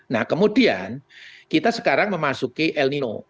nah kemudian kita sekarang memasuki el nino